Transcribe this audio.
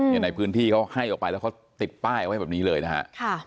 ในพื้นที่เขาให้ออกไปแล้วเขาติดป้ายเอาไว้แบบนี้เลยนะฮะ